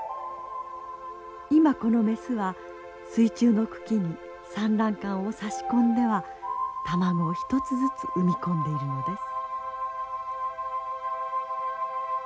今このメスは水中の茎に産卵管を差し込んでは卵を１つずつ産み込んでいるのです。